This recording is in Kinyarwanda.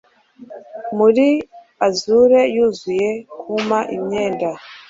Muri azure yuzuye kuma imyenda